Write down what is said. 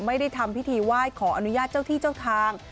ไม่ได้ทำพิธีไหว้ขออนุญาตเจ้าที่เจ้าทาง